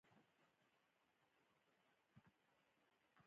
دوی غواړي افراطيت ته تر مدني پردو لاندې مصؤنيت ورکړي.